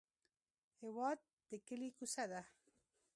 هېواد د کلي کوڅه ده.